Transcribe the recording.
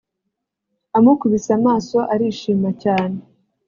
Amukubise amaso arishima cyane